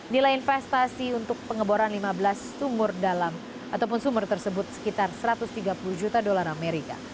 nilai investasi untuk pengeboran lima belas sumur dalam ataupun sumur tersebut sekitar satu ratus tiga puluh juta dolar amerika